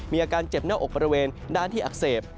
มีอาการเจ็บหน้าอกบริเวณด้านที่อักเสบ